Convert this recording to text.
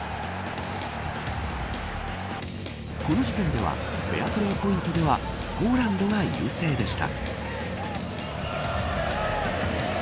この時点ではフェアプレーポイントではポーランドが優勢でした。